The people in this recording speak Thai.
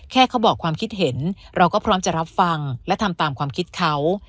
เขาบอกความคิดเห็นเราก็พร้อมจะรับฟังและทำตามความคิดเขา